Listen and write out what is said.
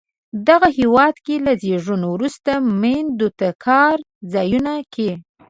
دغه هېواد کې له زیږون وروسته میندو ته کار ځایونو کې